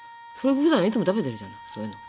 それふだんいつも食べてるじゃない。